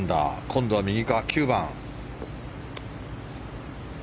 今度は右から、９番。